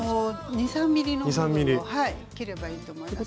２３ｍｍの部分を切ればいいと思います。